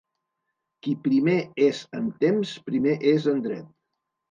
Qui primer és en temps primer és en dret.